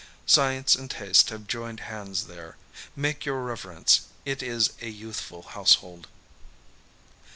Science and taste have joined hands there ; make your reverence, it is a youthful household.